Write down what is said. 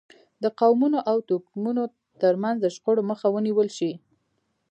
د قومونو او توکمونو ترمنځ د شخړو مخه ونیول شي.